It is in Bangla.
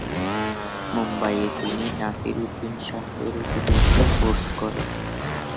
মুম্বাইয়ে তিনি নাসিরুদ্দিন শাহ এর অধীনে একটি কোর্স করেন।